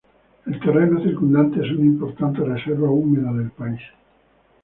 El terreno circundante es una importante reserva húmeda del país.